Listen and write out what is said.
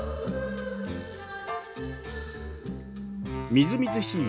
みずみずしい